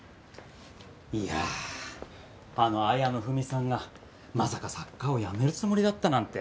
いやあの綾野文さんがまさか作家をやめるつもりだったなんて。